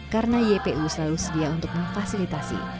karena ypu selalu sedia untuk memfasilitasi